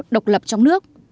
độc lập trong nước